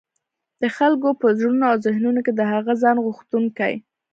د خلګو په زړونو او ذهنونو کي د هغه ځان غوښتونکي